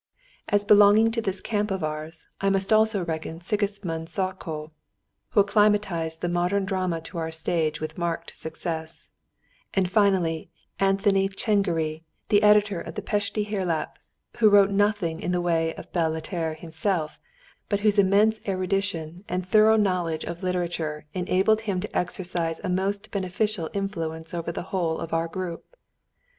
As belonging to this camp of ours I must also reckon Sigismund Czakó, who acclimatized the modern drama to our stage with marked success; and finally Anthony Csengery, the editor of the Pesti Hirlap, who wrote nothing in the way of belles lettres himself, but whose immense erudition and thorough knowledge of literature enabled him to exercise a most beneficial influence over the whole of our group.